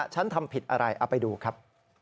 ทำผิดอะไรเอาไปดูครับ